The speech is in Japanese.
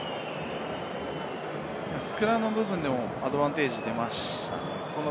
スクラムの部分でもアドバンテージが出ましたね。